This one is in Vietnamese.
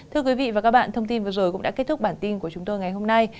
thưa quý vị và các bạn thông tin vừa rồi cũng đã kết thúc bản tin của chúng tôi ngày hôm nay